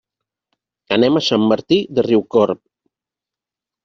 Anem a Sant Martí de Riucorb.